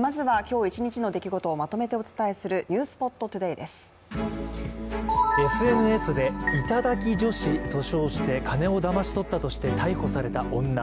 まずは、今日一日の出来事ヲまとめてお伝えする「ｎｅｗｓｐｏｔＴｏｄａｙ」ＳＮＳで頂き女子と称して金をだまし取ったとして逮捕された女。